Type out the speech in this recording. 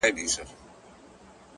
د نوم له سيـتاره دى لـوېـدلى.!